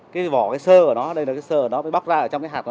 cái vỏ cái xơ của nó đây là cái xơ ở đó mới bóc ra ở trong cái hạt đó